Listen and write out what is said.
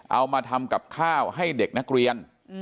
เอามาทำกับข้าวให้เด็กนักเรียน